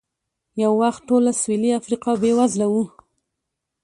یو وخت ټوله سوېلي افریقا بېوزله وه.